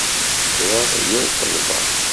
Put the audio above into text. Ttreɣ yal ṭṭelba.